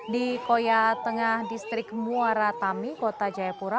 di koya tengah distrik muara tami kota jayapura